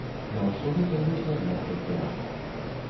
На ўсё гэта ёсць адна толькі рада.